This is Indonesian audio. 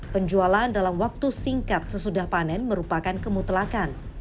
penjualan dalam waktu singkat sesudah panen merupakan kemutlakan